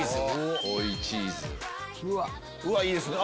うわいいですね！